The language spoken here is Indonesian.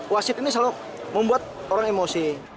wasit ini selalu membuat orang emosi